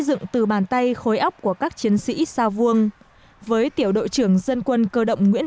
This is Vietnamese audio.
dựng từ bàn tay khối óc của các chiến sĩ sao vuông với tiểu đội trưởng dân quân cơ động nguyễn